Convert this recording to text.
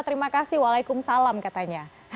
terima kasih waalaikumsalam katanya